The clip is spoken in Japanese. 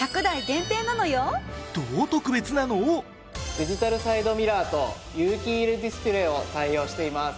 デジタルサイドミラーと有機ＥＬディスプレイを採用しています。